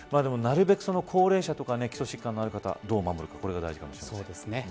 なるべく高齢者とか基礎疾患のある方をどう守るかが大事ですね。